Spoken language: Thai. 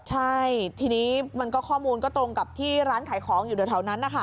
ใช่ทีนี้ข้อมูลก็ตรงกับที่ร้านขายของอยู่เท่านั้น